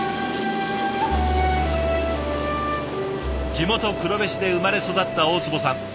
地元黒部市で生まれ育った大坪さん。